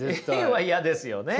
Ａは嫌ですよね。